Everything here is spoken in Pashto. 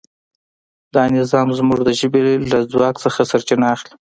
دا نظام زموږ د ژبې له ځواک څخه سرچینه اخلي.